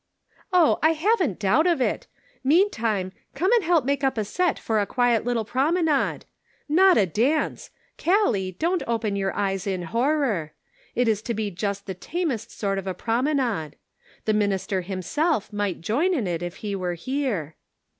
" Oh, I haven't a doubt of it. Meantime, come and help make up a set for a quiet little promenade. Not a dance ! Callie, don't open your eyes in horror. It is to be just the tamest sort of a promenade. The minister himself might join in it if he were here."